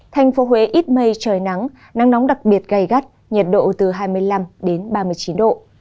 thành phố huế ít mây trời nắng nắng nóng đặc biệt gây gắt nhiệt độ từ hai mươi năm đến ba mươi chín độ